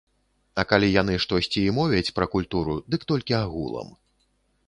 А калі яны штосьці і мовяць пра культуру, дык толькі агулам.